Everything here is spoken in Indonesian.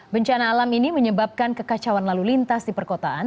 bencana alam ini menyebabkan kekacauan lalu lintas di perkotaan